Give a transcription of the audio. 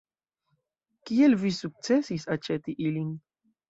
Kiel vi sukcesis aĉeti ilin?